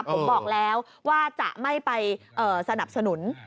ผมบอกแล้วว่าจะไม่ไปสนับสนุน